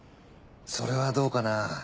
それはどうかなぁ。